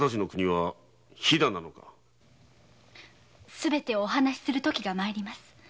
すべてをお話する時が参ります。